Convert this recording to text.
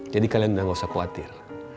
jadi kalian udah gak usah khawatir